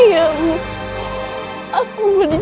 kau berhak untuk meminta maaf